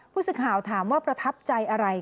ผู้สื่อข่าวถามว่าประทับใจอะไร